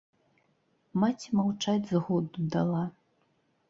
Маці маўчаць згоду дала.